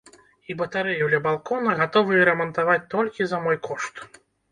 І батарэю ля балкона гатовыя рамантаваць толькі за мой кошт.